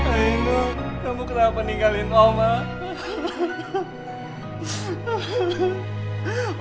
ainul kamu kenapa ninggalin om ah